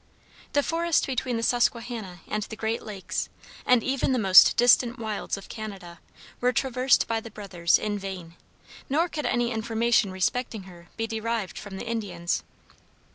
The forest between the Susquehanna and the Great Lakes, and even the most distant wilds of Canada, were traversed by the brothers in vain, nor could any information respecting her be derived from the Indians.